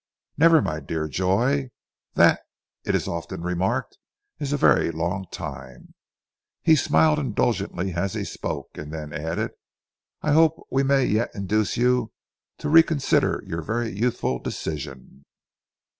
"Never, my dear Joy! That, it is often remarked, is a very long time!" He smiled indulgently as he spoke, and then added, "I hope we may yet induce you to reconsider your very youthful decision."